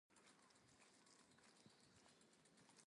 I loved his stuff.